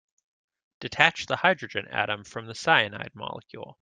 Detach the hydrogen atom from the cyanide molecule.